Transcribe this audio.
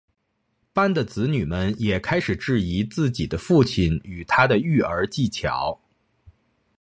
班的子女们也开始质疑自己的父亲与他的育儿技巧。